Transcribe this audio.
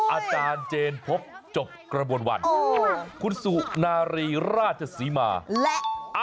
อาจารย์เจนพบจบกระบวนวันคุณสุนารีราชศรีมาและ